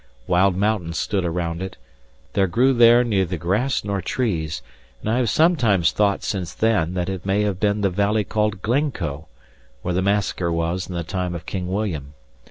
Wild mountains stood around it; there grew there neither grass nor trees; and I have sometimes thought since then, that it may have been the valley called Glencoe, where the massacre was in the time of King William.